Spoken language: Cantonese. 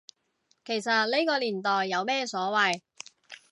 其實呢個年代有咩所謂